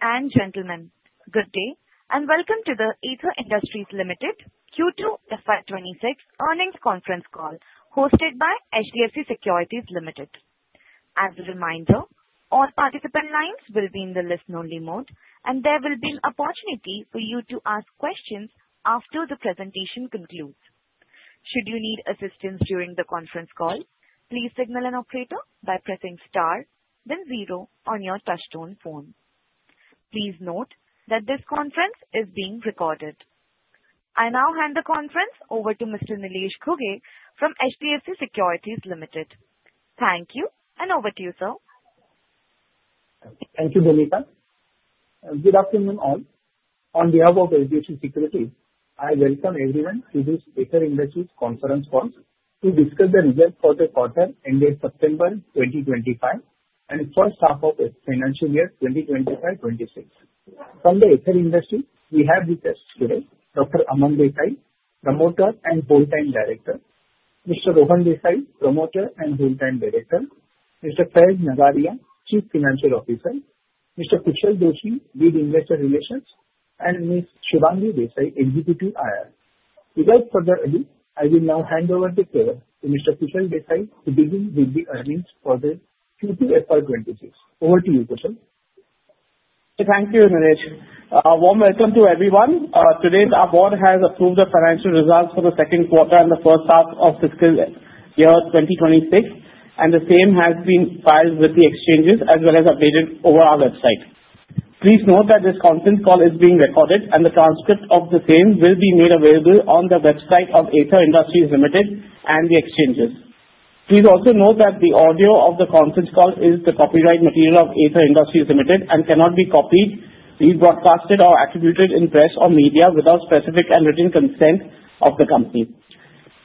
Ladies and gentlemen, good day and welcome to the Aether Industries Limited Q2 FY 2026 earnings conference call hosted by HDFC Securities Limited. As a reminder, all participant lines will be in the listen-only mode, and there will be an opportunity for you to ask questions after the presentation concludes. Should you need assistance during the conference call, please signal an operator by pressing star, then zero on your touch-tone phone. Please note that this conference is being recorded. I now hand the conference over to Mr. Nilesh Ghuge from HDFC Securities Limited. Thank you, and over to you, sir. Thank you, Devika. Good afternoon, all. On behalf of HDFC Securities, I welcome everyone to this Aether Industries conference call to discuss the results for the quarter ended September 2025 and the first half of the financial year 2025-2026. From the Aether Industries, we have with us today Dr. Aman Desai, Promoter and Full-Time Director; Mr. Rohan Desai, Promoter and Full-Time Director; Mr. Faiz Nagariya, Chief Financial Officer; Mr. Kushal Joshi, Lead Investor Relations; and Ms. Shubhangi Desai, Executive IR. Without further ado, I will now hand over the floor to Mr. Kushal Joshi to begin with the earnings for the Q2 FY 2026. Over to you, Kushal. Thank you, Nilesh. A warm welcome to everyone. Today, our board has approved the financial results for the second quarter and the first half of fiscal year 2026, and the same has been filed with the exchanges as well as updated over our website. Please note that this conference call is being recorded, and the transcript of the same will be made available on the website of Aether Industries Limited and the exchanges. Please also note that the audio of the conference call is the copyright material of Aether Industries Limited and cannot be copied, rebroadcast, or attributed in press or media without specific and written consent of the company.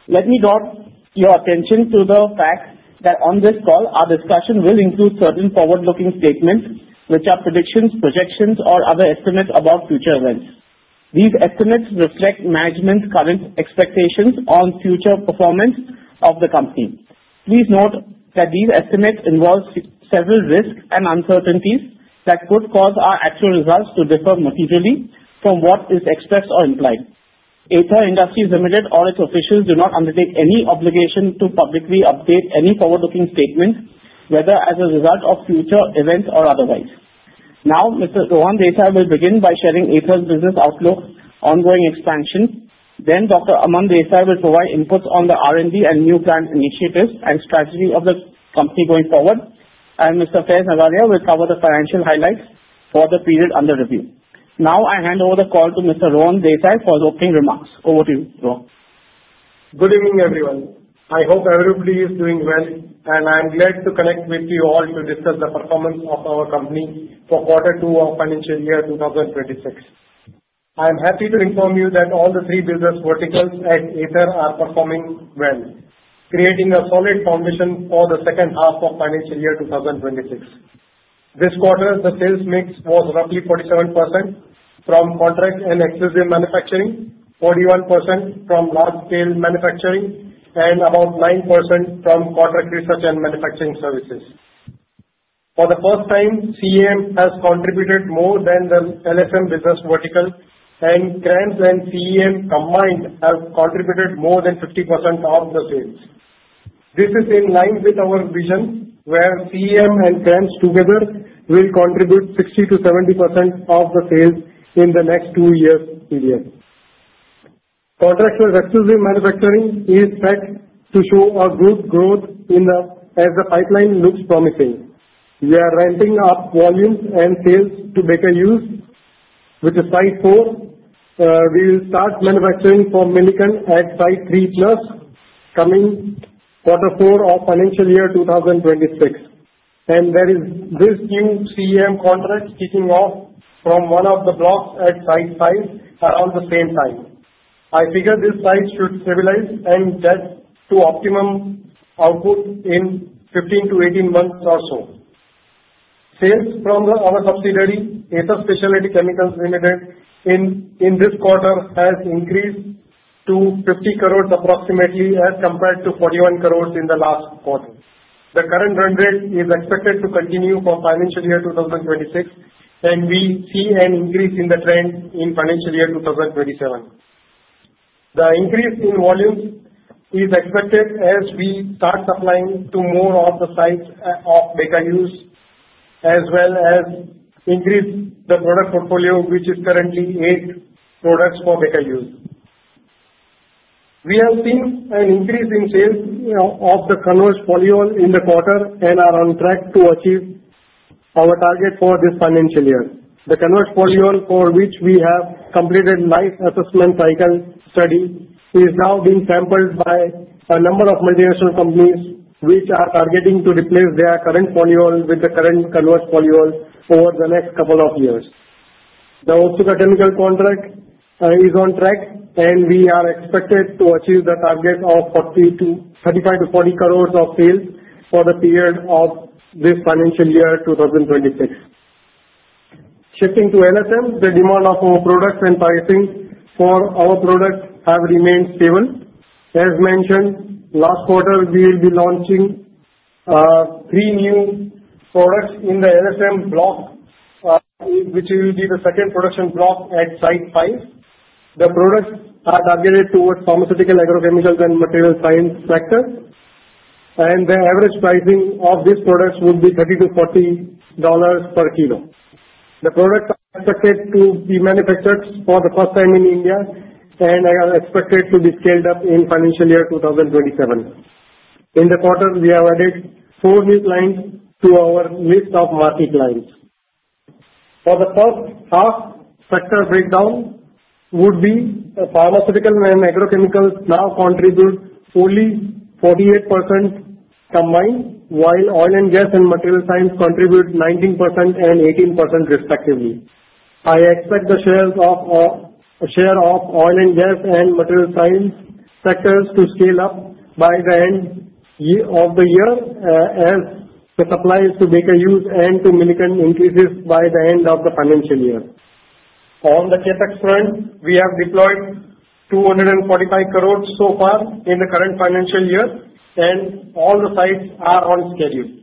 Let me draw your attention to the fact that on this call, our discussion will include certain forward-looking statements, which are predictions, projections, or other estimates about future events. These estimates reflect management's current expectations on future performance of the company. Please note that these estimates involve several risks and uncertainties that could cause our actual results to differ materially from what is expressed or implied. Aether Industries Limited or its officials do not undertake any obligation to publicly update any forward-looking statements, whether as a result of future events or otherwise. Now, Mr. Rohan Desai will begin by sharing Aether's business outlook ongoing expansion. Then, Dr. Aman Desai will provide inputs on the R&D and new plant initiatives and strategy of the company going forward, and Mr. Faiz Nagariya will cover the financial highlights for the period under review. Now, I hand over the call to Mr. Rohan Desai for his opening remarks. Over to you, Rohan. Good evening, everyone. I hope everybody is doing well, and I'm glad to connect with you all to discuss the performance of our company for quarter two of financial year 2026. I'm happy to inform you that all the three business verticals at Aether are performing well, creating a solid foundation for the second half of financial year 2026. This quarter, the sales mix was roughly 47% from Contract and Exclusive Manufacturing, 41% from Large Scale Manufacturing, and about 9% from Contract Research and Manufacturing Services. For the first time, CEM has contributed more than the LSM business vertical, and CRAMS and CEM combined have contributed more than 50% of the sales. This is in line with our vision, where CEM and CRAMS together will contribute 60%-70% of the sales in the next two-year period. Contract Exclusive Manufacturing is set to show a good growth as the pipeline looks promising. We are ramping up volumes and sales to better use with the site four. We will start manufacturing for Milliken at Site 3+ coming quarter four of financial year 2026. And there is this new CEM contract kicking off from one of the blocks at Site 5 around the same time. I figure this site should stabilize and get to optimum output in 15-18 months or so. Sales from our subsidiary, Aether Specialty Chemicals Limited, in this quarter has increased to 50 crores approximately as compared to 41 crores in the last quarter. The current run rate is expected to continue for financial year 2026, and we see an increase in the trend in financial year 2027. The increase in volumes is expected as we start supplying to more of the sites of Baker Hughes as well as increase the product portfolio, which is currently eight products for Baker Hughes. We have seen an increase in sales of the Converge polyol in the quarter and are on track to achieve our target for this financial year. The Converge polyol, for which we have completed a life cycle assessment study, is now being sampled by a number of multinational companies, which are targeting to replace their current polyol with the current Converge polyol over the next couple of years. The Otsuka Chemical contract is on track, and we are expected to achieve the target of 35 crores-40 crores of sales for the period of this financial year 2026. Shifting to LSM, the demand of our products and pricing for our products has remained stable. As mentioned, last quarter, we will be launching three new products in the LSM block, which will be the second production block at Site 5. The products are targeted towards pharmaceutical, agrochemicals, and materials science sectors, and the average pricing of these products would be $30-$40 per kilo. The products are expected to be manufactured for the first time in India and are expected to be scaled up in financial year 2027. In the quarter, we have added four new lines to our list of market lines. For the first half, sector breakdown would be pharmaceutical and agrochemicals now contribute only 48% combined, while oil and gas and materials science contribute 19% and 18% respectively. I expect the shares of oil and gas and materials science sectors to scale up by the end of the year as the supplies to Baker Hughes and to Milliken increases by the end of the financial year. On the CapEx front, we have deployed 245 crores so far in the current financial year, and all the sites are on schedule.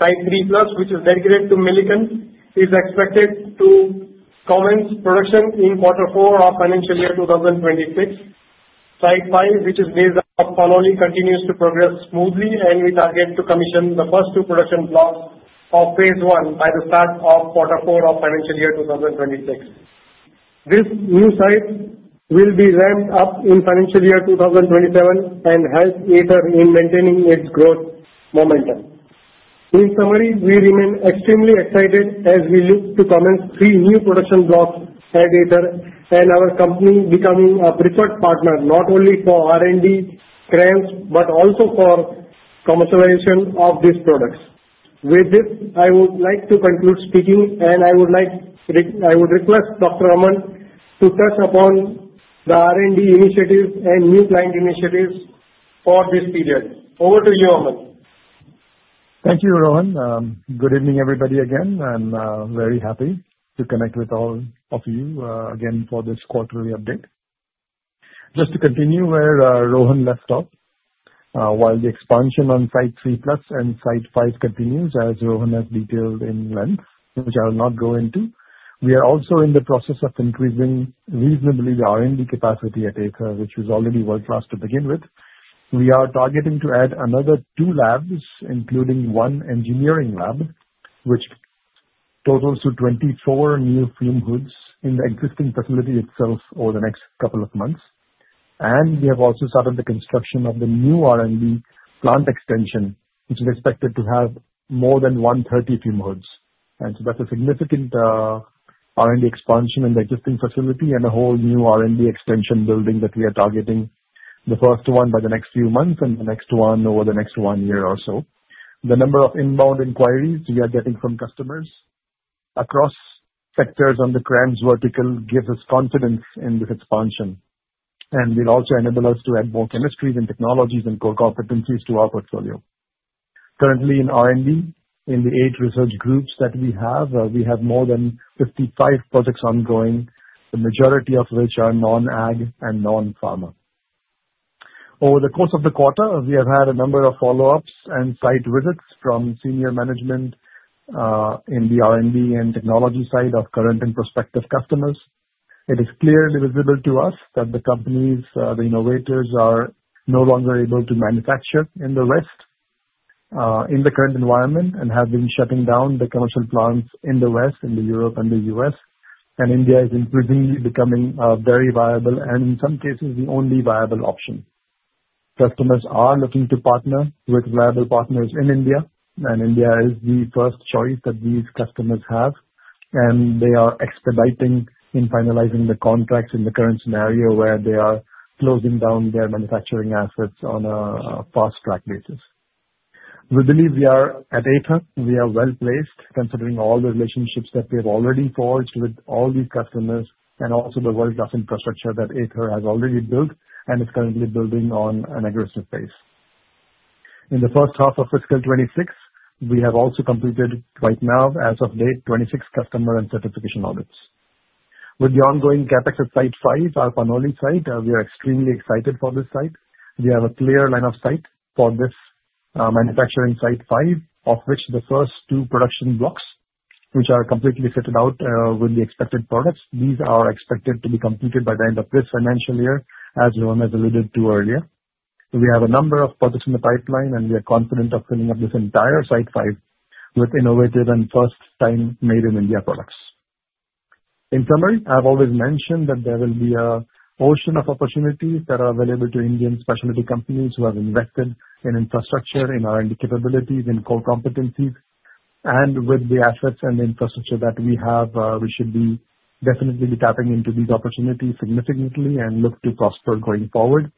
Site 3+, which is dedicated to Milliken, is expected to commence production in quarter four of financial year 2026. Site 5, which is based in Panoli, continues to progress smoothly, and we target to commission the first two production blocks of phase one by the start of quarter four of financial year 2026. This new site will be ramped up in financial year 2027 and help Aether in maintaining its growth momentum. In summary, we remain extremely excited as we look to commence three new production blocks at Aether and our company becoming a preferred partner not only for R&D, CRAMS, but also for commercialization of these products. With this, I would like to conclude speaking, and I would request Dr. Aman to touch upon the R&D initiatives and new client initiatives for this period. Over to you, Aman. Thank you, Rohan. Good evening, everybody again. I'm very happy to connect with all of you again for this quarterly update. Just to continue where Rohan left off, while the expansion on Site 3+ and Site 5 continues, as Rohan has detailed in length, which I will not go into, we are also in the process of increasing reasonably the R&D capacity at Aether, which is already world-class to begin with. We are targeting to add another two labs, including one engineering lab, which totals to 24 new fume hoods in the existing facility itself over the next couple of months, and we have also started the construction of the new R&D plant extension, which is expected to have more than 130 fume hoods. And so that's a significant R&D expansion in the existing facility and a whole new R&D extension building that we are targeting, the first one by the next few months and the next one over the next one year or so. The number of inbound inquiries we are getting from customers across sectors on the CRAMS vertical gives us confidence in this expansion, and will also enable us to add more chemistries and technologies and core competencies to our portfolio. Currently, in R&D, in the eight research groups that we have, we have more than 55 projects ongoing, the majority of which are non-ag and non-pharma. Over the course of the quarter, we have had a number of follow-ups and site visits from senior management in the R&D and technology side of current and prospective customers. It is clearly visible to us that the companies, the innovators, are no longer able to manufacture in the West in the current environment and have been shutting down the commercial plants in the West, in Europe and the U.S., and India is increasingly becoming a very viable and, in some cases, the only viable option. Customers are looking to partner with viable partners in India, and India is the first choice that these customers have, and they are expediting in finalizing the contracts in the current scenario where they are closing down their manufacturing assets on a fast-track basis. We believe we are at Aether. We are well-placed, considering all the relationships that we have already forged with all these customers and also the well-established infrastructure that Aether has already built and is currently building on an aggressive basis. In the first half of fiscal 2026, we have also completed, right now, as of date, 26 customer and certification audits. With the ongoing CapEx at Site 5, our Panoli site, we are extremely excited for this site. We have a clear line of sight for this manufacturing site five, of which the first two production blocks, which are completely fitted out with the expected products, these are expected to be completed by the end of this financial year, as Rohan has alluded to earlier. We have a number of projects in the pipeline, and we are confident of filling up this entire Site 5 with innovative and first-time made-in-India products. In summary, I've always mentioned that there will be an ocean of opportunities that are available to Indian specialty companies who have invested in infrastructure, in R&D capabilities, in core competencies. With the assets and the infrastructure that we have, we should definitely be tapping into these opportunities significantly and look to prosper going forward.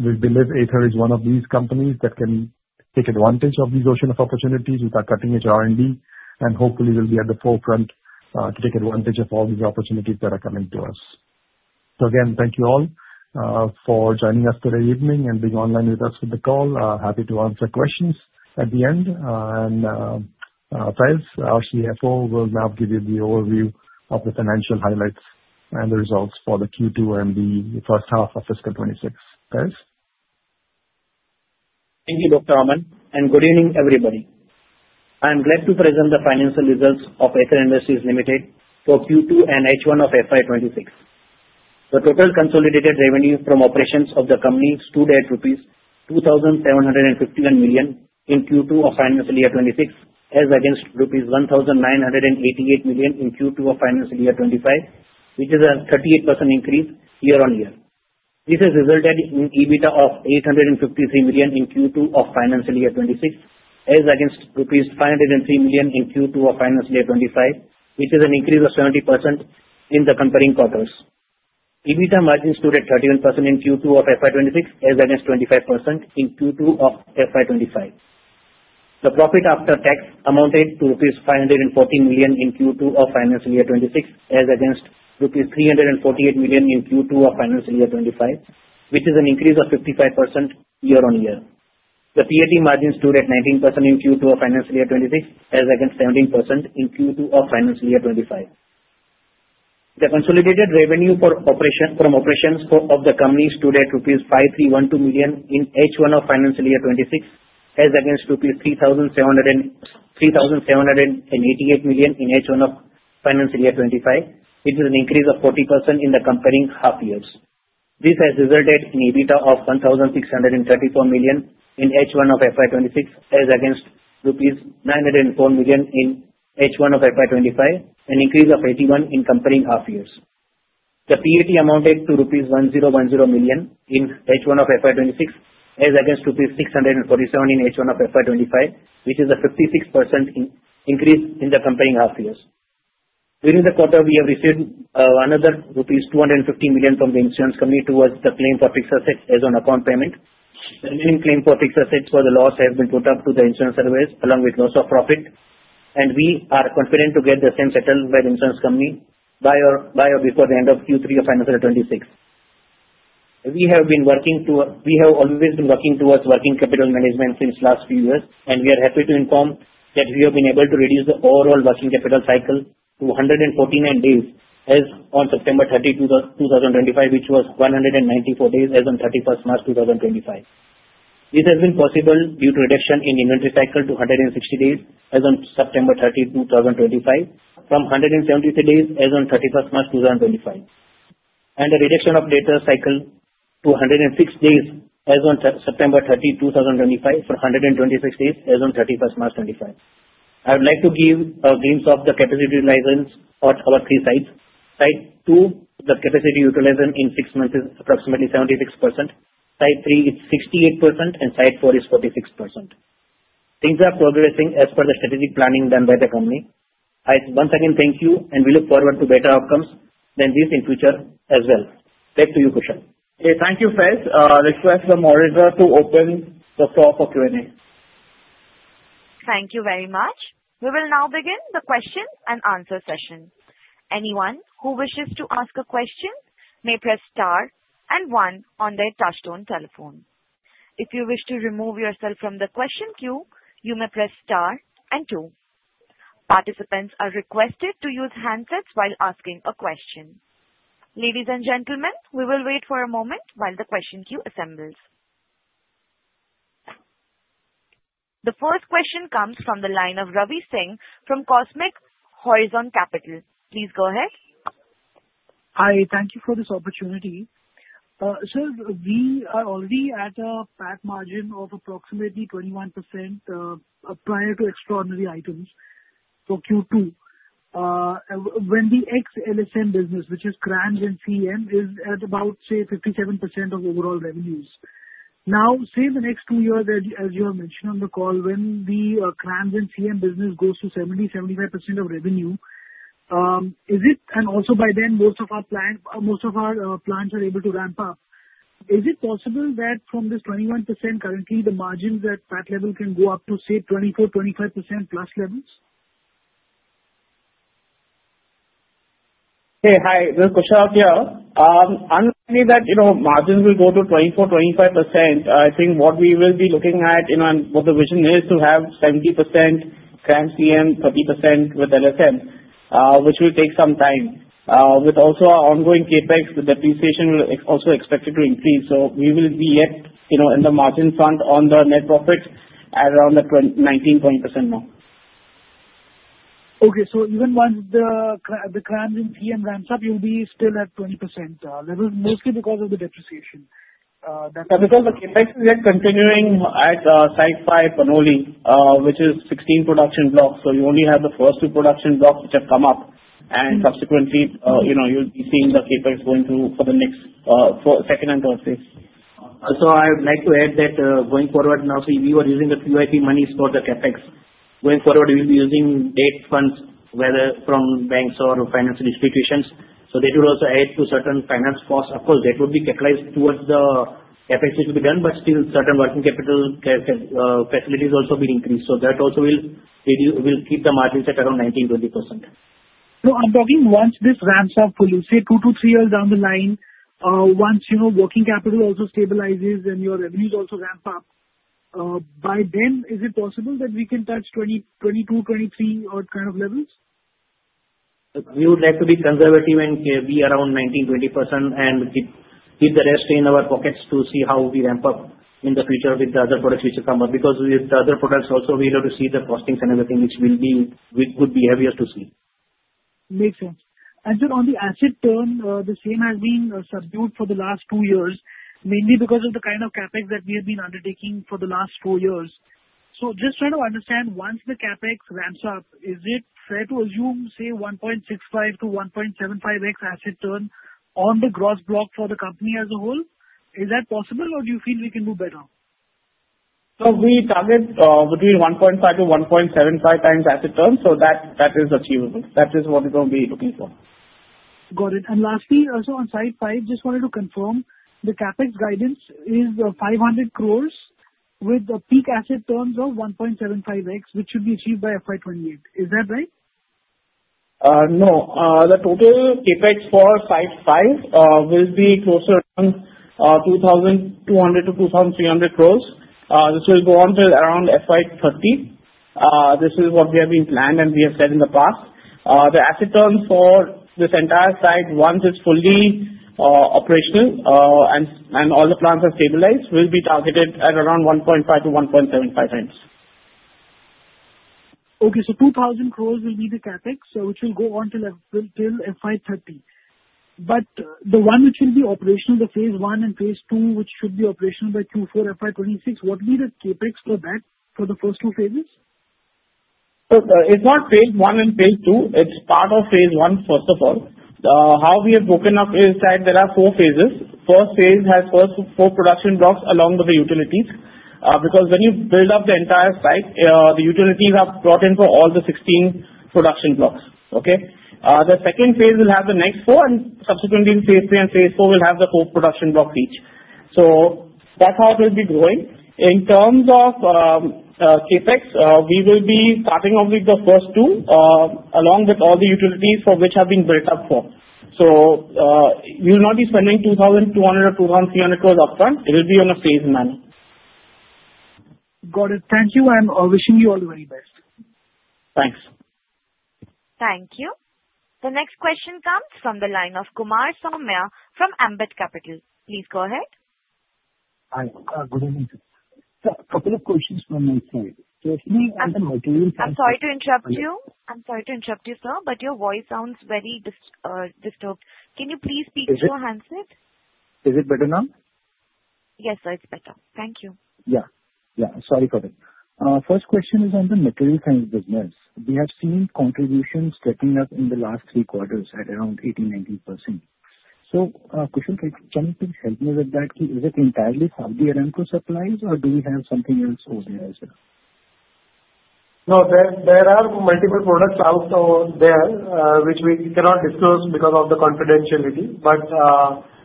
We believe Aether is one of these companies that can take advantage of this ocean of opportunities with our cutting-edge R&D, and hopefully, we'll be at the forefront to take advantage of all these opportunities that are coming to us. So again, thank you all for joining us today evening and being online with us for the call. Happy to answer questions at the end. And Faiz, our CFO, will now give you the overview of the financial highlights and the results for the Q2 and the first half of fiscal 2026. Faiz. Thank you, Dr. Aman, and good evening, everybody. I am glad to present the financial results of Aether Industries Limited for Q2 and H1 of FY 2026. The total consolidated revenue from operations of the company stood at rupees 2,751 million in Q2 of financial year 2026, as against rupees 1,988 million in Q2 of financial year 2025, which is a 38% increase year-on-year. This has resulted in EBITDA of 853 million in Q2 of financial year 2026, as against rupees 503 million in Q2 of financial year 2025, which is an increase of 70% in the comparing quarters. EBITDA margin stood at 31% in Q2 of FY 2026, as against 25% in Q2 of FY 2025. The profit after tax amounted to 514 million rupees in Q2 of financial year 2026, as against 348 million rupees in Q2 of financial year 2025, which is an increase of 55% year-on-year. The PAT margin stood at 19% in Q2 of financial year 2026, as against 17% in Q2 of financial year 2025. The consolidated revenue from operations of the company stood at rupees 5,312 million in H1 of financial year 2026, as against 3,788 million in H1 of financial year 2025. It is an increase of 40% in the corresponding half-years. This has resulted in EBITDA of 1,634 million in H1 of FY 2026, as against rupees 904 million in H1 of FY 2025, an increase of 81% in corresponding half years. The PAT amounted to rupees 1,010 million in H1 of FY 2026, as against rupees 647 million in H1 of FY 2025, which is a 56% increase in the comparing half-years. During the quarter, we have received another rupees 250 million from the insurance company towards the claim for fixed assets as an account payment. The remaining claim for fixed assets for the loss has been put up to the insurance surveyor along with loss of profit, and we are confident to get the same settlement by the insurance company by or before the end of Q3 of financial year 2026. We have always been working towards working capital management since last few years, and we are happy to inform that we have been able to reduce the overall working capital cycle to 149 days as on September 30, 2025, which was 194 days as on 31st March 2025. This has been possible due to reduction in inventory cycle to 160 days as on September 30, 2025, from 173 days as on 31st March 2025, and a reduction of debtor cycle to 106 days as on September 30, 2025, from 126 days as on 31st March 2025. I would like to give a glimpse of the capacity utilization for our three sites. Site 2, the capacity utilization in six months is approximately 76%. Site 3 is 68%, and Site 4 is 46%. Things are progressing as per the strategic planning done by the company. I once again thank you, and we look forward to better outcomes than these in future as well. Back to you, Kushal. Thank you, Faiz. Request from Operator to open the floor for Q&A. Thank you very much. We will now begin the question and answer session. Anyone who wishes to ask a question may press star and one on their touch-tone telephone. If you wish to remove yourself from the question queue, you may press star and two. Participants are requested to use handsets while asking a question. Ladies and gentlemen, we will wait for a moment while the question queue assembles. The first question comes from the line of Ravi Singh from Cosmic Horizon Capital. Please go ahead. Hi. Thank you for this opportunity. So we are already at a PAT margin of approximately 21% prior to extraordinary items for Q2. When the ex-LSM business, which is CRAMS and CEM, is at about, say, 57% of overall revenues. Now, say, in the next two years, as you have mentioned on the call, when the CRAMS and CEM business goes to 70%-75% of revenue, is it and also, by then, most of our plants are able to ramp up. Is it possible that from this 21%, currently, the margins at that level can go up to, say, 24%-25%+ levels? Hey, hi. This is Kushal here. I'm happy that margins will go to 24%-25%. I think what we will be looking at and what the vision is to have 70% CRAMS, CEM, 30% with LSM, which will take some time. With also our ongoing CapEx, the depreciation is also expected to increase. So we will be yet in the margin front on the net profit at around 19%-20% now. Okay. So even once the CRAMS and CEM ramps up, you'll be still at 20% level, mostly because of the depreciation. Yeah. Because the CapEx is yet continuing at Site 5, Panoli, which is 16 production blocks. So you only have the first two production blocks which have come up, and subsequently, you'll be seeing the CapEx going through for the next second and third phase. So I would like to add that going forward, now, we were using the QIP monies for the CapEx. Going forward, we'll be using debt funds, whether from banks or financial institutions. So they do also add to certain finance costs. Of course, that will be capitalized towards the CapEx which will be done, but still, certain working capital facilities also will increase. So that also will keep the margin set around 19%-20%. So I'm talking once this ramps up, say, two to three years down the line, once working capital also stabilizes and your revenues also ramp up, by then, is it possible that we can touch 22%-23%, or kind of levels? We would like to be conservative and be around 19%-20% and keep the rest in our pockets to see how we ramp up in the future with the other products which will come up. Because with the other products, also, we will receive the costings and everything, which will be good behaviors to see. Makes sense. And then on the asset turn, the same has been subdued for the last two years, mainly because of the kind of CapEx that we have been undertaking for the last four years. So just try to understand, once the CapEx ramps up, is it fair to assume, say, 1.65x-1.75x asset turn on the gross block for the company as a whole? Is that possible, or do you feel we can do better? So we target between 1.5x-1.75x times asset turn, so that is achievable. That is what we're going to be looking for. Got it. And lastly, also on Site 5, just wanted to confirm, the CapEx guidance is 500 crores with a peak asset turn of 1.75x, which should be achieved by FY 2028. Is that right? No. The total CapEx for Site 5 will be closer to 2,200 crores-2,300 crores. This will go until around FY 2030. This is what we have been planned and we have said in the past. The asset turnover for this entire site, once it's fully operational and all the plants are stabilized, will be targeted at around 1.5x-1.75x. Okay. So 2,000 crores will be the CapEx, which will go until FY 2030. But the one which will be operational, the phase one and phase two, which should be operational by Q4 FY 2026, what will be the CapEx for that for the first two phases? It's not phase one and phase two. It's part of phase one, first of all. How we have broken up is that there are four phases. First phase has four production blocks along with the utilities. Because when you build up the entire site, the utilities are brought in for all the 16 production blocks. Okay? The second phase will have the next four, and subsequently, phase three and phase four will have the four production block each. So that's how it will be growing. In terms of CapEx, we will be starting off with the first two along with all the utilities for which have been built up for. So we will not be spending 2,200 crores or 2,300 crores upfront. It will be on a phased manner. Got it. Thank you. I'm wishing you all the very best. Thanks. Thank you. The next question comes from the line of Kumar Saumya from Ambit Capital. Please go ahead. Hi. Good evening, sir. A couple of questions from my side. So I think on the materials. I'm sorry to interrupt you. I'm sorry to interrupt you, sir, but your voice sounds very disturbed. Can you please speak to your handset? Is it better now? Yes, sir. It's better. Thank you. Yeah. Yeah. Sorry for that. First question is on the material science business. We have seen contributions stepping up in the last three quarters at around 18%-19%. So Kushal, can you please help me with that? Is it entirely Saudi Aramco supplies, or do we have something else over there as well? No. There are multiple products out there which we cannot disclose because of the confidentiality, but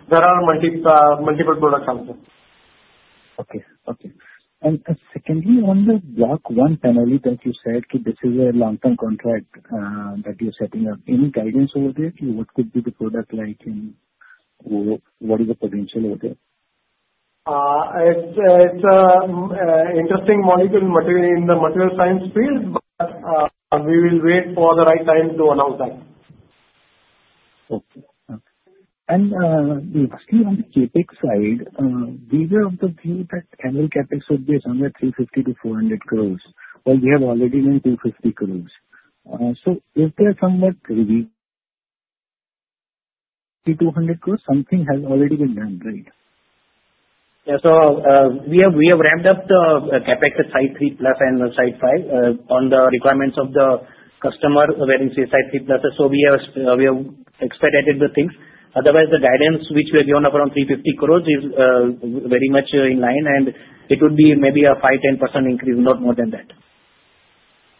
there are multiple products out there. Okay. And secondly, on the block one panel that you said this is a long-term contract that you're setting up, any guidance over there? What could be the product like and what is the potential over there? It's an interesting molecule in the material science field, but we will wait for the right time to announce that. Okay. Okay. And lastly, on the CapEx side, we were of the view that annual CapEx would be somewhere 350 crores-400 crores, while we have already done 250 crores. So is there somewhat 200 crores? Something has already been done, right? Yeah. So we have ramped up the CapEx at Site 3+ and Site 5 on the requirements of the customer where it's Site 3++. So we have expedited the things. Otherwise, the guidance which we have given up around 350 crores is very much in line, and it would be maybe a 5%-10% increase, not more than that.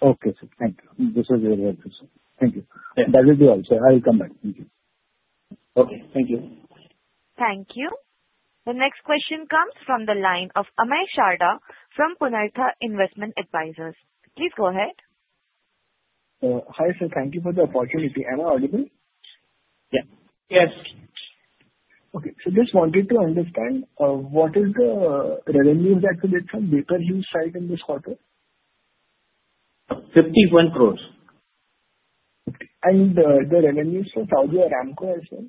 Okay. Thank you. This was very helpful, sir. Thank you. That will be all, sir. I'll come back. Thank you. Okay. Thank you. Thank you. The next question comes from the line of Amay Sharda from Purnartha Investment Advisors. Please go ahead. Hi, sir. Thank you for the opportunity. Am I audible? Yeah. Yes. Okay. So just wanted to understand, what is the revenue that you did from Baker Hughes site in this quarter? INR 51 crores. Okay. And the revenues for Saudi Aramco as well?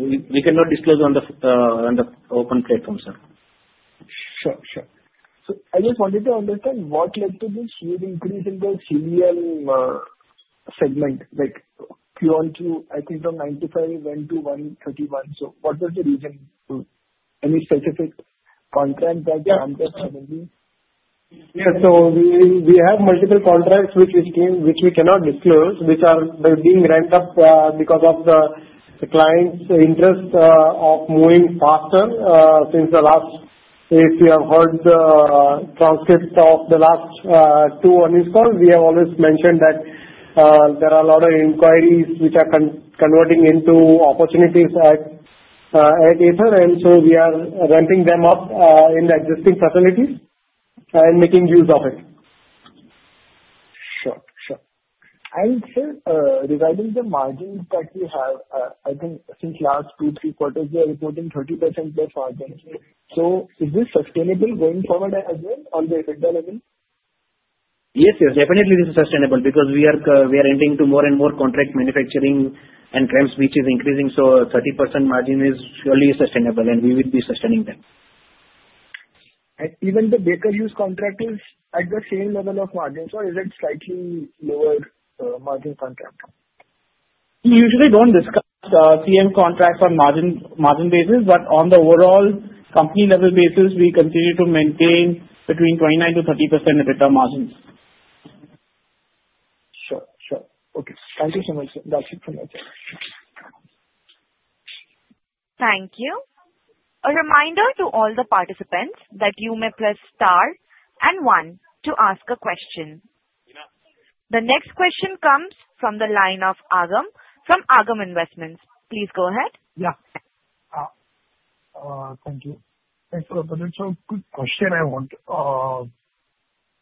We cannot disclose on the open platform, sir. Sure. Sure. So I just wanted to understand what led to this huge increase in the CEM segment? I think from 95 went to 131. So what was the reason? Any specific contract that Ambit had in view? Yeah. So we have multiple contracts which we cannot disclose, which are being ramped up because of the client's interest of moving faster since the last. If you have heard the transcript of the last two earnings calls, we have always mentioned that there are a lot of inquiries which are converting into opportunities at Aether, and so we are ramping them up in the existing facilities and making use of it. Sure. Sure. And sir, regarding the margins that you have, I think since last two, three quarters, we are reporting 30% less margin. So is this sustainable going forward as well on the EBITDA level? Yes. Yes. Definitely, this is sustainable because we are entering into more and more Contract Manufacturing, and CRAMS, which is increasing, so 30% margin is surely sustainable, and we will be sustaining that. And even the Baker Hughes contract is at the same level of margin, so is it slightly lower margin contract? We usually don't discuss CEM contracts on margin basis, but on the overall company-level basis, we continue to maintain between 29%-30% EBITDA margins. Sure. Sure. Okay. Thank you so much, sir. That's it from my side. Thank you. A reminder to all the participants that you may press star and one to ask a question. The next question comes from the line of Agam from Agam Investments. Please go ahead. Yeah. Thank you. Thanks for the question. I want to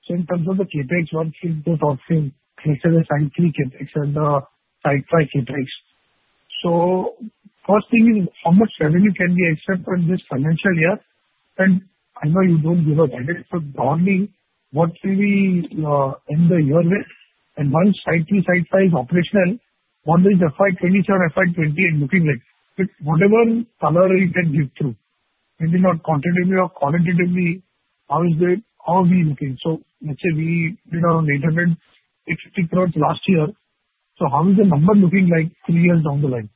say in terms of the CapEx, one thing to talk to you. Aether is ancillary CapEx, except the Site 5 CapEx. So first thing is, how much revenue can we expect in this financial year? And I know you don't give us that. What will we end the year with? And once Site 3, Site 5 is operational, what is FY 2027, FY 2028 looking like? Whatever color we can give through, maybe not quantitatively or qualitatively, how is it? How are we looking? So let's say we did around 850 crores last year. So how is the number looking like three years down the line?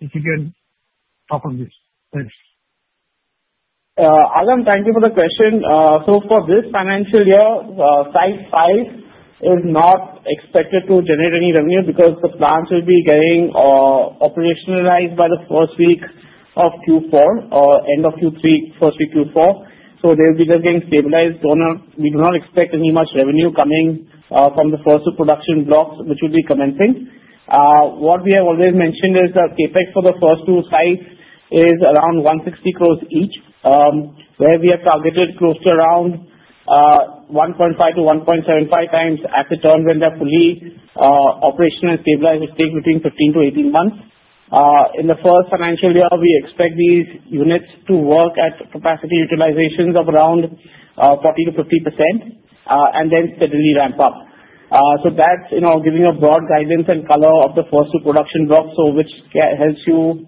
If you can talk on this. Thanks. Agam, thank you for the question. So for this financial year, Site 5 is not expected to generate any revenue because the plants will be getting operationalized by the first week of Q4, end of Q3, first week Q4. So they will be just getting stabilized. We do not expect any much revenue coming from the first two production blocks, which will be commencing. What we have always mentioned is that CapEx for the first two sites is around 160 crores each, where we have targeted close to around 1.5x-1.75x asset turn when they're fully operational and stabilized, which takes between 15 to 18 months. In the first financial year, we expect these units to work at capacity utilizations of around 40%-50% and then steadily ramp up. So that's giving a broad guidance and color of the first two production blocks, which helps you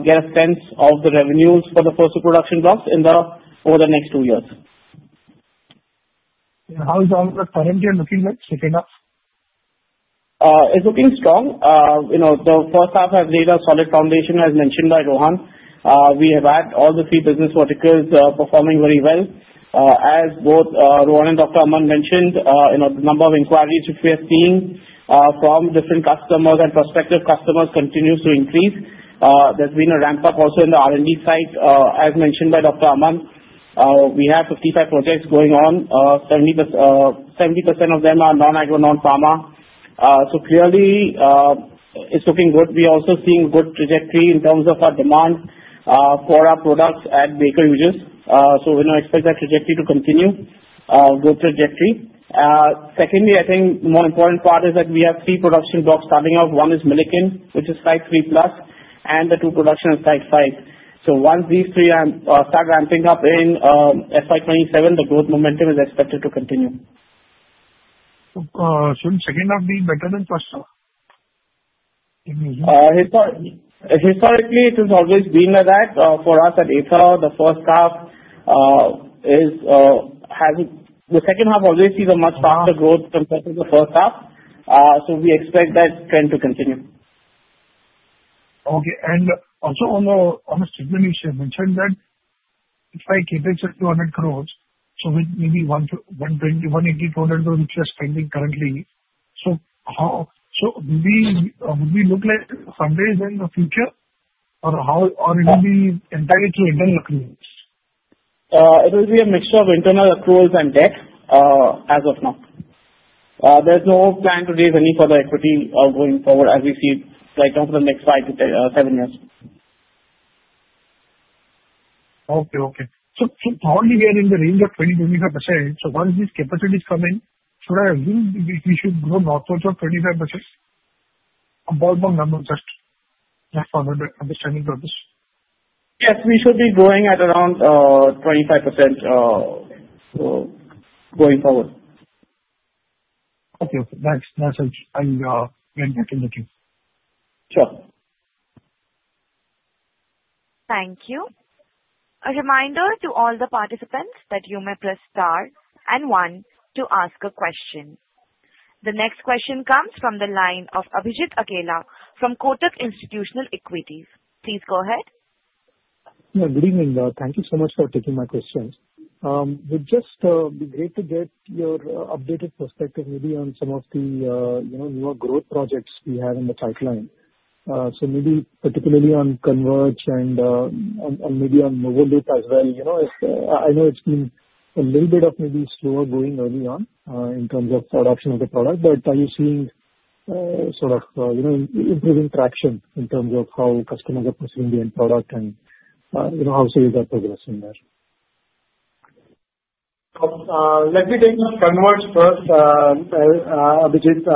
get a sense of the revenues for the first two production blocks over the next two years. Yeah. How is all the current year looking like? Setting up? It's looking strong. The first half has laid a solid foundation, as mentioned by Rohan. We have had all the three business verticals performing very well. As both Rohan and Dr. Aman mentioned, the number of inquiries which we are seeing from different customers and prospective customers continues to increase. There's been a ramp-up also in the R&D site, as mentioned by Dr. Aman. We have 55 projects going on. 70% of them are non-agro, non-pharma. So clearly, it's looking good. We are also seeing good trajectory in terms of our demand for our products at Baker Hughes. So we expect that trajectory to continue. Good trajectory. Secondly, I think the more important part is that we have three production blocks starting off. One is Milliken, which is Site 3+, and the two production on Site 5. Once these three start ramping up in FY 2027, the growth momentum is expected to continue. So second half being better than first half? Historically, it has always been like that for us at Aether. The first half has the second half always sees a much faster growth compared to the first half, so we expect that trend to continue. Okay. And also on the segment, you should mention that it's like CapEx at 200 crores, so with maybe 180 crores-200 crores which you are spending currently. So would we look like fundraising in the future, or will it be entirely internal accruals? It will be a mixture of internal accruals and debt as of now. There's no plan to raise any further equity going forward as we see right now for the next five to seven years. Okay. So currently, we are in the range of 20%-25%. So once these capacities come in, should I assume we should grow northwards of 25%? A ballpark number just for my understanding purpose. Yes. We should be growing at around 25% going forward. Okay. Okay. Thanks. That's it. I'll get back in the team. Sure. Thank you. A reminder to all the participants that you may press star and one to ask a question. The next question comes from the line of Abhijit Akella from Kotak Institutional Equities. Please go ahead. Yeah. Good evening. Thank you so much for taking my question. It would just be great to get your updated perspective, maybe, on some of the newer growth projects we have in the pipeline, so maybe particularly on Converge and maybe on Novoloop as well. I know it's been a little bit of maybe slower going early on in terms of adoption of the product, but are you seeing sort of improving traction in terms of how customers are pursuing the end product and how so you guys are progressing there? Let me take Converge first, Abhijit,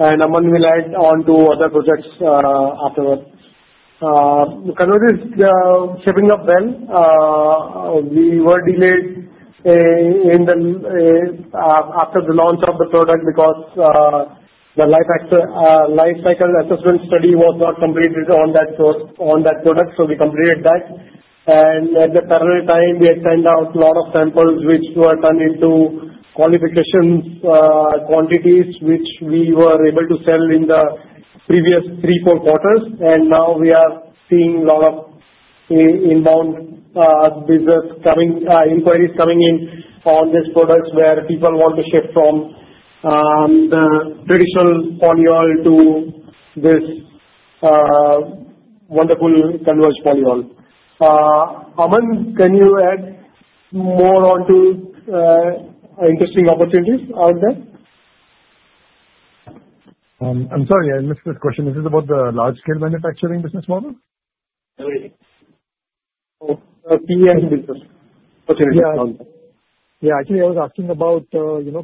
and Aman will add on to other projects afterwards. Converge is shipping up well. We were delayed after the launch of the product because the life cycle assessment study was not completed on that product. So we completed that. And at the parallel time, we had sent out a lot of samples which were turned into qualification quantities which we were able to sell in the previous three, four quarters. And now we are seeing a lot of inbound business inquiries coming in on this product where people want to shift from the traditional polyol to this wonderful Converge polyol. Aman, can you add more on to interesting opportunities out there? I'm sorry. I missed this question. Is this about the large-scale manufacturing business model? Everything. Oh, PEM business. Okay. Yeah. Actually, I was asking about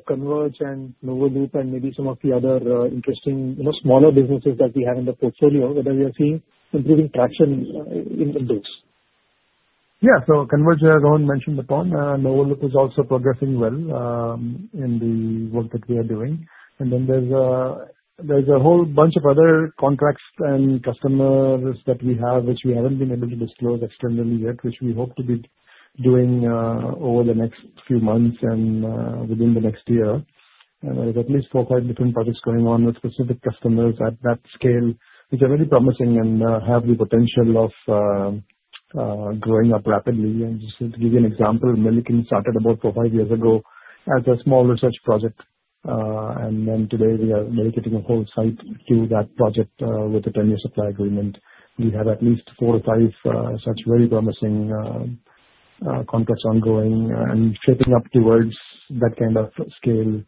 Converge and Novoloop and maybe some of the other interesting smaller businesses that we have in the portfolio, whether we are seeing improving traction in those. Yeah. So Converge, as Rohan mentioned, Novoloop is also progressing well in the work that we are doing. And then there's a whole bunch of other contracts and customers that we have which we haven't been able to disclose externally yet, which we hope to be doing over the next few months and within the next year. And there are at least four or five different projects going on with specific customers at that scale, which are very promising and have the potential of growing up rapidly. And just to give you an example, Milliken started about four or five years ago as a small research project. And then today, we are dedicating a whole site to that project with a 10-year supply agreement. We have at least four or five such very promising contracts ongoing and shaping up towards that kind of scale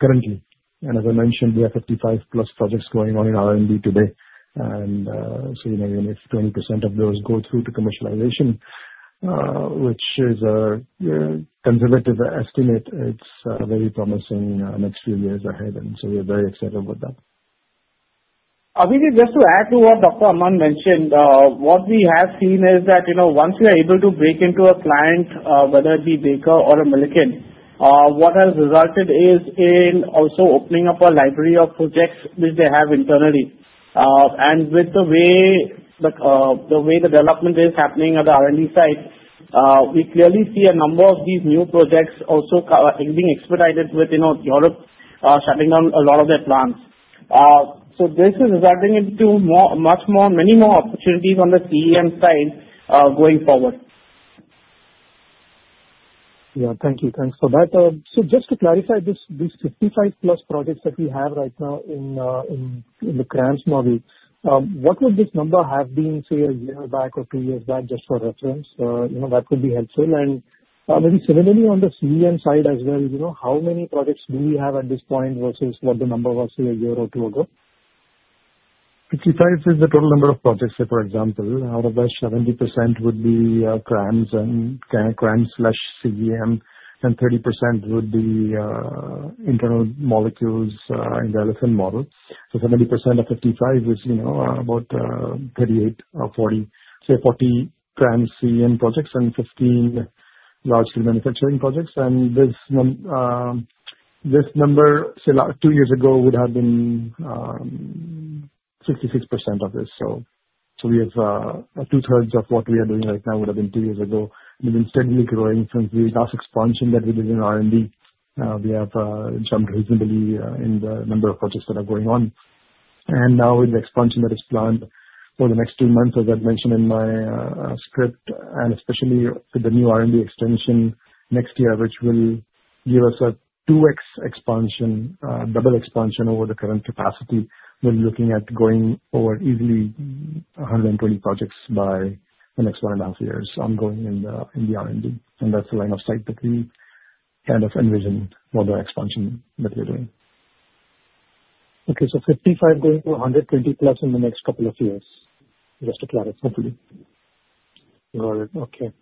currently. As I mentioned, we have 55+ projects going on in R&D today. Maybe 20% of those go through to commercialization, which is a conservative estimate. It's very promising next few years ahead. We are very excited about that. Abhijit, just to add to what Dr. Aman mentioned, what we have seen is that once we are able to break into a client, whether it be Baker or a Milliken, what has resulted is in also opening up a library of projects which they have internally, and with the way the development is happening at the R&D site, we clearly see a number of these new projects also being expedited within Europe, shutting down a lot of their plants, so this is resulting in many more opportunities on the CEM side going forward. Yeah. Thank you. Thanks for that. So just to clarify these 55+ projects that we have right now in the CRAMS model, what would this number have been, say, a year back or two years back, just for reference? That would be helpful. And maybe similarly on the CEM side as well, how many projects do we have at this point versus what the number was a year or two ago? 55 is the total number of projects. For example, out of that, 70% would be CRAMS/CEM, and 30% would be internal molecules in the LSM model. So 70% of 55 is about 38 or 40, say, 40 CRAMS/CEM projects and 15 large-scale manufacturing projects. This number, two years ago, would have been 66% of this. Two-thirds of what we are doing right now would have been two years ago. We've been steadily growing since the last expansion that we did in R&D. We have jumped reasonably in the number of projects that are going on. And now, with the expansion that is planned for the next two months, as I've mentioned in my script, and especially with the new R&D extension next year, which will give us a 2x expansion, double expansion over the current capacity, we're looking at going over easily 120 projects by the next one and a half years ongoing in the R&D. And that's the line of sight that we kind of envision for the expansion that we're doing. Okay. So 55 going to 120+ in the next couple of years? Just to clarify. Hopefully. Okay.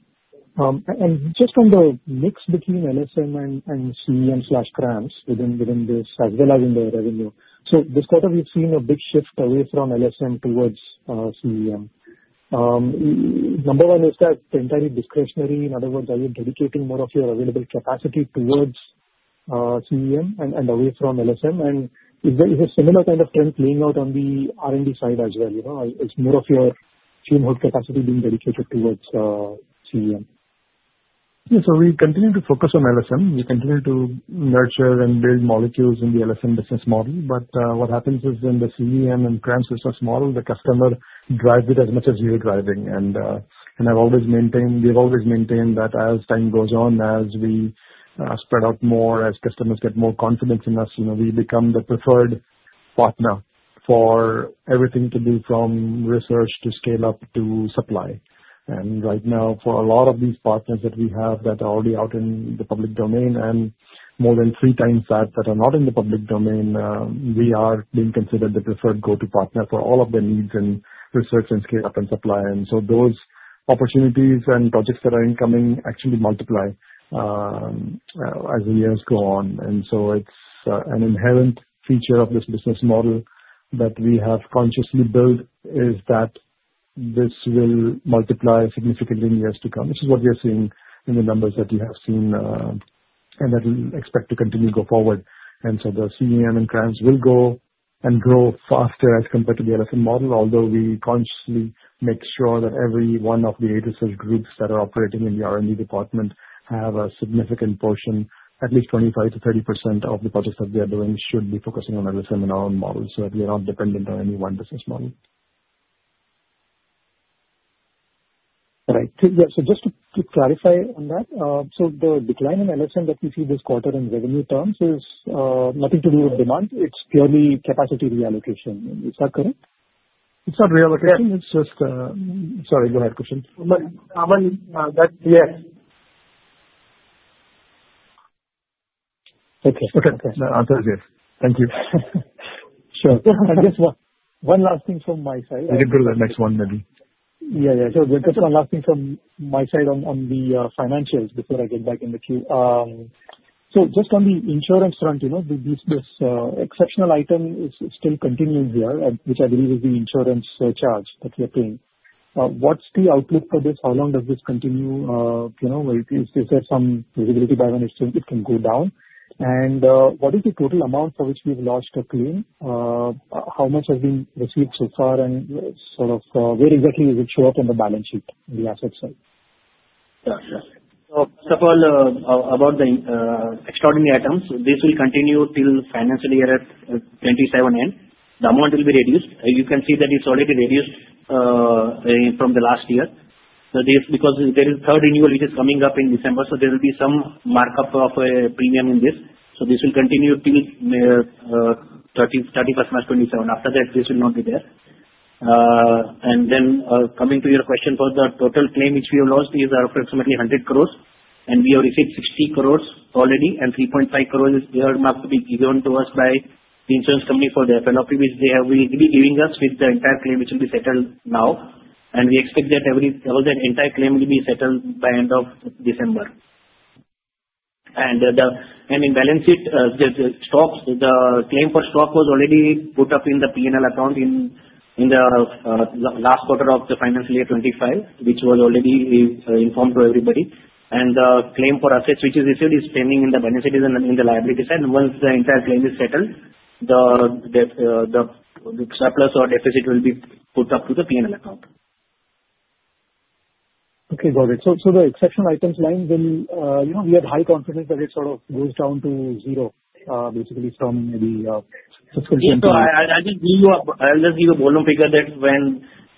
And just on the mix between LSM and CEM/CRAMS within this, as well as in the revenue. So this quarter, we've seen a big shift away from LSM towards CEM. Number one, is that entirely discretionary? In other words, are you dedicating more of your available capacity towards CEM and away from LSM? And is it a similar kind of trend playing out on the R&D side as well? It's more of your fume hood capacity being dedicated towards CEM. Yeah. So we continue to focus on LSM. We continue to nurture and build molecules in the LSM business model. But what happens is in the CEM and CRAMS business model, the customer drives it as much as we are driving. And we've always maintained that as time goes on, as we spread out more, as customers get more confidence in us, we become the preferred partner for everything to do from research to scale up to supply. And right now, for a lot of these partners that we have that are already out in the public domain and more than three times that that are not in the public domain, we are being considered the preferred go-to partner for all of their needs in research and scale-up and supply. And so those opportunities and projects that are incoming actually multiply as the years go on. And so it's an inherent feature of this business model that we have consciously built is that this will multiply significantly in years to come. This is what we are seeing in the numbers that you have seen, and that we expect to continue to go forward. And so the CEM and CRAMS will go and grow faster as compared to the LSM model, although we consciously make sure that every one of the eight research groups that are operating in the R&D department have a significant portion, at least 25%-30% of the projects that they are doing, should be focusing on LSM and our own model so that we are not dependent on any one business model. All right. So just to clarify on that, so the decline in LSM that we see this quarter in revenue terms is nothing to do with demand. It's purely capacity reallocation. Is that correct? It's not reallocation. Yes. It's just, sorry, go ahead, Kushal. Aman, that's—yes. Okay. Okay. That's it. Thank you. Sure. I guess one last thing from my side. You can go to the next one, maybe. Yeah. Yeah, so just one last thing from my side on the financials before I get back in the queue, so just on the insurance front, this exceptional item still continues here, which I believe is the insurance charge that we are paying. What's the outlook for this? How long does this continue? Is there some visibility by when it can go down, and what is the total amount for which we've lost or claimed? How much has been received so far, and sort of where exactly does it show up on the balance sheet on the asset side? First of all, about the extraordinary items, this will continue till financial year 2027 end. The amount will be reduced. You can see that it's already reduced from the last year. Because there is a third renewal which is coming up in December, there will be some markup of a premium in this. This will continue till 31st March 2027. After that, this will not be there. Then coming to your question for the total claim which we have lost, these are approximately 100 crores. We have received 60 crores already, and 3.5 crores are marked to be given to us by the insurance company for the fire loss which they have been giving us with the entire claim which will be settled now. We expect that the entire claim will be settled by the end of December. In the balance sheet, the claim for stock was already put up in the P&L account in the last quarter of the financial year 2025, which was already informed to everybody. The claim for assets which is issued is pending in the balance sheet and in the liability side. Once the entire claim is settled, the surplus or deficit will be put up to the P&L account. Okay. Got it. So the exceptional items line will—we had high confidence that it sort of goes down to zero, basically, from maybe fiscal year— I'll just give you a ballpark figure that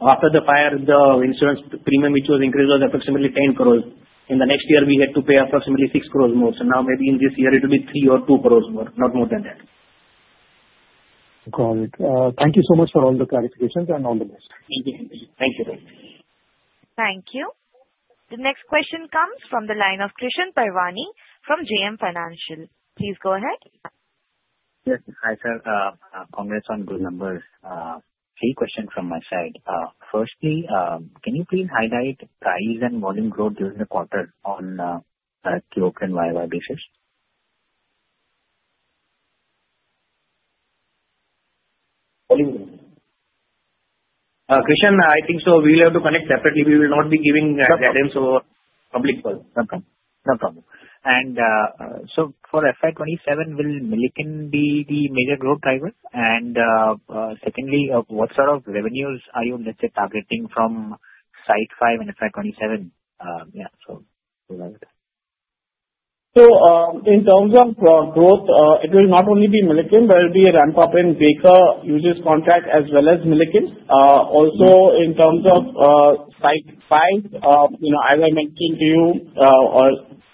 after the fire, the insurance premium which was increased was approximately 10 crores. In the next year, we had to pay approximately 6 crores more. Now, maybe in this year, it will be 3 crores or 2 crores more, not more than that. Got it. Thank you so much for all the clarifications and all the best. Thank you. Thank you. Thank you. The next question comes from the line of Krishan Parwani from JM Financial. Please go ahead. Yes. Hi, sir. Congrats on good numbers. A few questions from my side. Firstly, can you please highlight price and volume growth during the quarter on a QoQ and YoY basis? Krishan, I think so we'll have to connect separately. We will not be giving that info publicly. Okay. No problem. And so for FY 2027, will Milliken be the major growth driver? And secondly, what sort of revenues are you, let's say, targeting from Site 5 in FY 2027? Yeah. So go ahead. So in terms of growth, it will not only be Milliken. There will be a ramp-up in Baker Hughes contract as well as Milliken. Also, in terms of Site 5, as I mentioned to you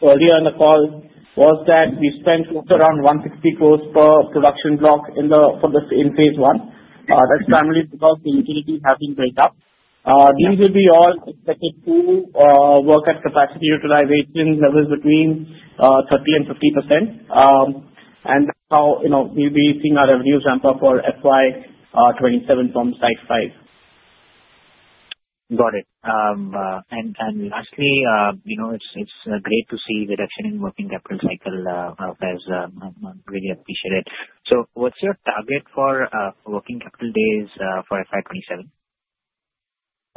earlier in the call, was that we spent around 160 crores per production block for phase one. That's primarily because the utilities have been built up. These will be all expected to work at capacity utilization levels between 30% and 50%. And that's how we'll be seeing our revenues ramp up for FY 2027 from Site 5. Got it. And lastly, it's great to see the reduction in working capital cycle. I've really appreciated it. So what's your target for working capital days for FY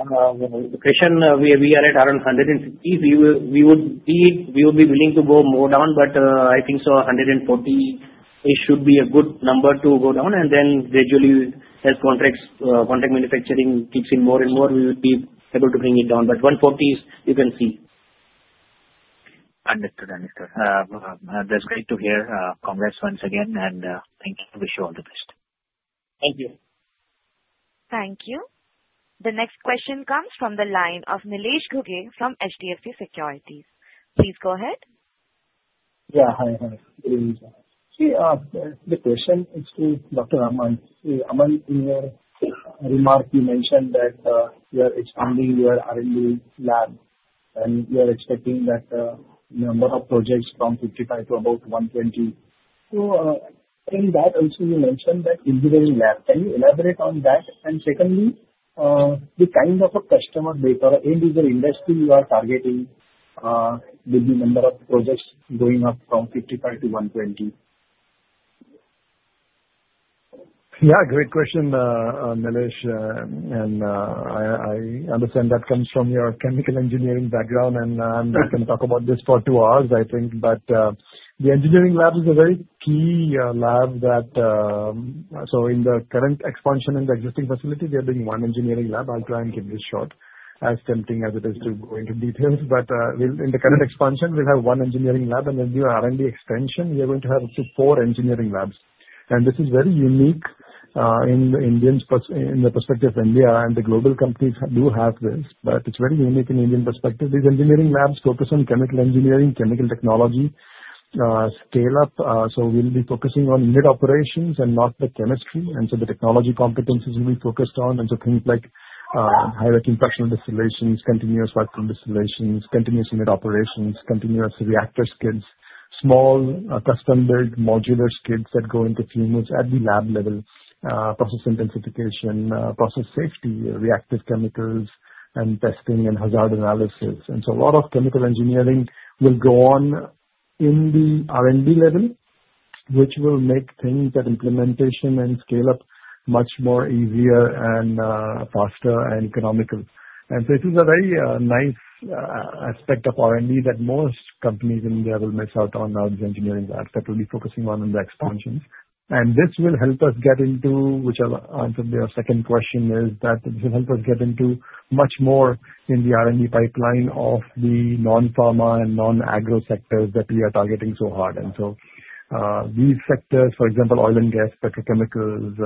2027? Krishan, we are at around 160. We would be willing to go more down, but I think so 140 should be a good number to go down. And then gradually, as contract manufacturing keeps in more and more, we will be able to bring it down. But 140 is, you can see. Understood. Understood. That's great to hear. Congrats once again, and thank you. Wish you all the best. Thank you. Thank you. The next question comes from the line of Nilesh Ghuge from HDFC Securities. Please go ahead. Yeah. Hi. The question is to Dr. Aman. Aman, in your remark, you mentioned that you are expanding your R&D lab, and you are expecting that the number of projects from 55 to about 120. So in that, also, you mentioned that individual lab. Can you elaborate on that? And secondly, the kind of customer base or end-user industry you are targeting with the number of projects going up from 55 to 120? Yeah. Great question, Nilesh. And I understand that comes from your chemical engineering background, and I'm not going to talk about this for two hours, I think. But the engineering lab is a very key lab that so in the current expansion in the existing facility, we are doing one engineering lab. I'll try and keep this short, as tempting as it is to go into details. But in the current expansion, we'll have one engineering lab. And in the R&D extension, we are going to have up to four engineering labs. And this is very unique in the perspective of India, and the global companies do have this. But it's very unique in Indian perspective. These engineering labs focus on chemical engineering, chemical technology, scale-up. So we'll be focusing on unit operations and not the chemistry. And so the technology competencies will be focused on. And so things like high vacuum distillations, continuous vacuum distillations, continuous mixing operations, continuous reactor skids, small custom-built modular skids that go into fume hoods at the lab level, process intensification, process safety, reactive chemicals, and testing and hazard analysis. And so a lot of chemical engineering will go on in the R&D level, which will make the implementation and scale-up much more easier and faster and economical. And this is a very nice aspect of R&D that most companies in India will miss out on now, the engineering labs that will be focusing on in the expansions. And this will help us get into which I'll answer your second question is that this will help us get into much more in the R&D pipeline of the non-pharma and non-agro sectors that we are targeting so hard. And so these sectors, for example, oil and gas, petrochemicals,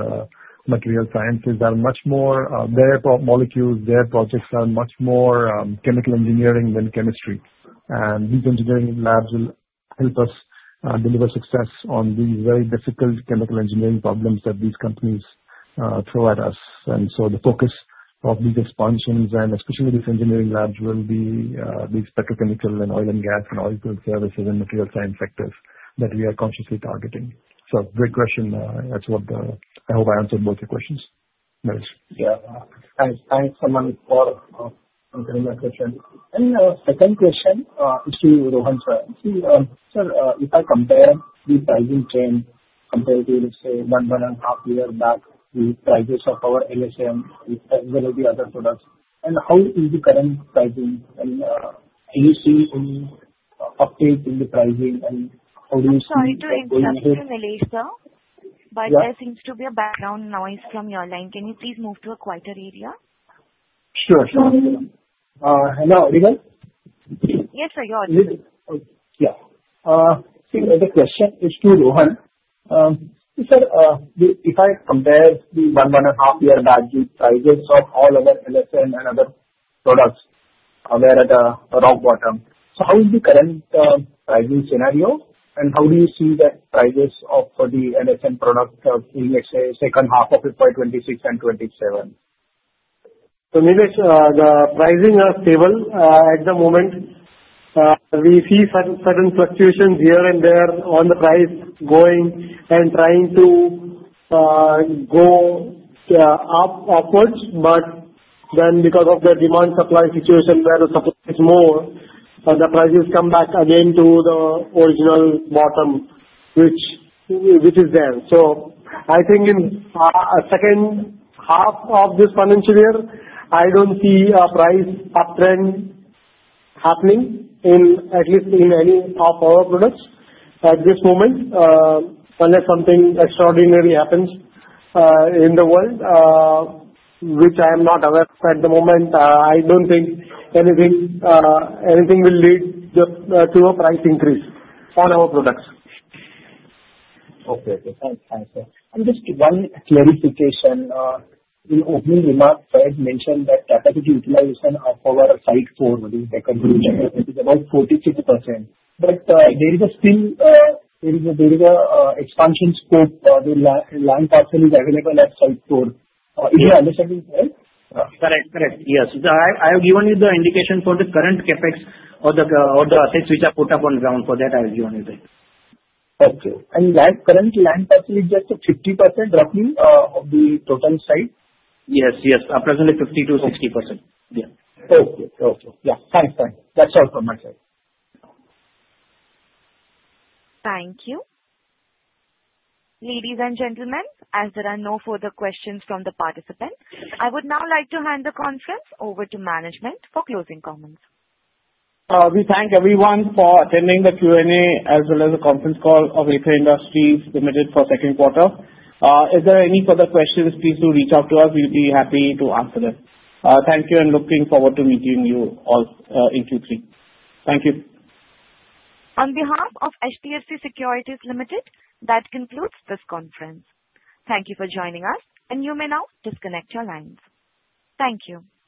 material sciences, they're much more their molecules, their projects are much more chemical engineering than chemistry. And these engineering labs will help us deliver success on these very difficult chemical engineering problems that these companies throw at us. And so the focus of these expansions, and especially these engineering labs, will be these petrochemical and oil and gas and oilfield services and material science sectors that we are consciously targeting. So great question. I hope I answered both your questions. Yeah. Thanks, Aman, for answering my question. And second question is to Rohan. Sir, if I compare the pricing trend compared to, let's say, one, one and a half years back, the prices of our LSM with any of the other products, and how is the current pricing? And have you seen any update in the pricing? And how do you see it going ahead? Sorry to interrupt you, Nilesh. There seems to be a background noise from your line. Can you please move to a quieter area? Sure. Sure. Hello. Are you there? Yes, sir. You're on. Yeah. The question is to Rohan. Sir, if I compare one and a half years back, the prices of all of our LSM and other products were at a rock bottom. So how is the current pricing scenario? And how do you see the prices of the LSM product in, let's say, second half of 2026 and 2027? So Nilesh, the pricing is stable at the moment. We see certain fluctuations here and there on the price going and trying to go up upwards. But then, because of the demand-supply situation, where the supply is more, the prices come back again to the original bottom, which is there. So I think in the second half of this financial year, I don't see a price uptrend happening, at least in any of our products at this moment, unless something extraordinary happens in the world, which I am not aware of at the moment. I don't think anything will lead to a price increase on our products. Okay. Thanks, sir. And just one clarification. In the opening remark, I had mentioned that capacity utilization of our Site 4, which is back-up group, is about 46%. But there is still an expansion scope. The land parcel is available at Site 4. Is your understanding correct? Correct. Correct. Yes. I have given you the indication for the current CapEx or the assets which are put up on ground for that. I have given you that. Okay. And that current land parcel is just 50% roughly of the total site? Yes. Yes. Approximately 50%-60%. Yeah. Okay. Okay. Yeah. Thanks. Thanks. That's all from my side. Thank you. Ladies and gentlemen, as there are no further questions from the participants, I would now like to hand the conference over to management for closing comments. We thank everyone for attending the Q&A as well as the conference call of Aether Industries Limited for second quarter. If there are any further questions, please do reach out to us. We'll be happy to answer them. Thank you, and looking forward to meeting you all in Q3. Thank you. On behalf of HDFC Securities Limited, that concludes this conference. Thank you for joining us, and you may now disconnect your lines. Thank you.